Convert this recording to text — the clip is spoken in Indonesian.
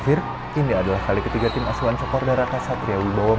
yang kita tunjukin tadi